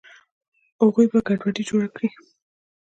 اغوئ به ګډوډي جوړه کي.